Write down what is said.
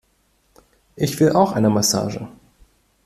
Ich will auch eine Massage!